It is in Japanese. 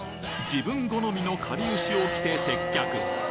自分好みのかりゆしを着て接客